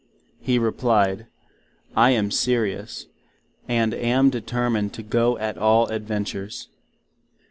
He replyed, I am serious, and am determined to go at all adventures.